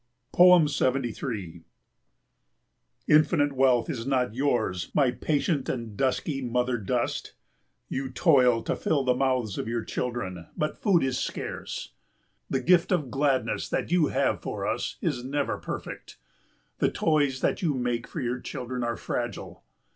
73 Infinite wealth is not yours, my patient and dusky mother dust! You toil to fill the mouths of your children, but food is scarce. The gift of gladness that you have for us is never perfect. The toys that you make for your children are fragile.